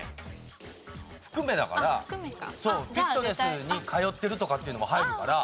フィットネスに通ってるとかっていうのも入るから。